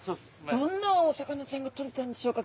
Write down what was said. どんなお魚ちゃんがとれたんでしょうか？